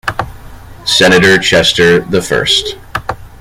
Senator Chester the First.